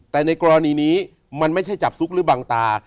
แต่ในกรณีนี้มันไม่ใช่จับซุกหรือบังตา